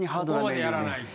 ここまでやらないと。